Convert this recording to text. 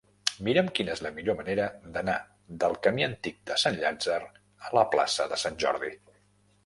Mira'm quina és la millor manera d'anar del camí Antic de Sant Llàtzer a la plaça de Sant Jordi.